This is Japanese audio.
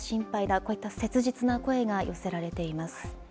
こういった切実な声が寄せられています。